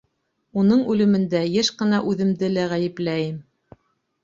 Уның үлемендә йыш ҡына үҙемде лә ғәйепләйем.